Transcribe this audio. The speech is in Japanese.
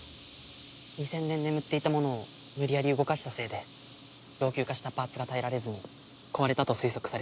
２０００年眠っていたものを無理やり動かしたせいで老朽化したパーツが耐えられずに壊れたと推測されます。